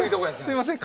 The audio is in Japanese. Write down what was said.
すみません。